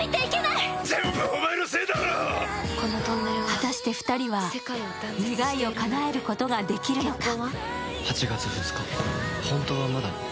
果たして２人は、願いをかなえることができるのか？